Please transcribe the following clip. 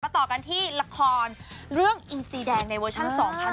ต่อกันที่ละครเรื่องอินซีแดงในเวอร์ชัน๒๐๑๖